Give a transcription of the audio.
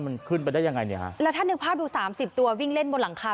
นึกภาพดู๓๐ตัววิ่งเล่นบนหลังคา